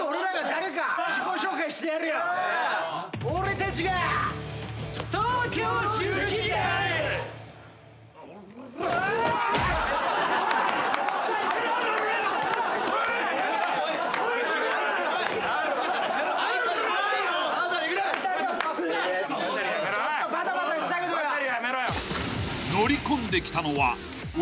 ［乗り込んできたのは］